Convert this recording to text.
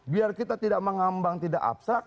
biar kita tidak mengambang tidak abstrak